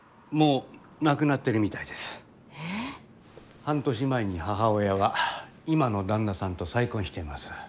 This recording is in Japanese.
半年前に母親が今の旦那さんと再婚しています。